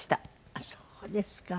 あっそうですか。